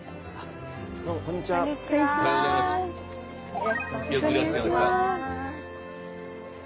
よろしくお願いします。